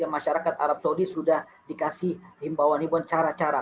masyarakat arab saudi sudah dikasih imbauan imbauan cara cara